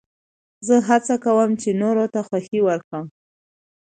زه هڅه کوم، چي نورو ته خوښي ورکم.